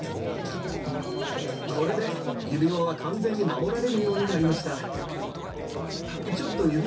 これで完全に指輪は守られるようになりました。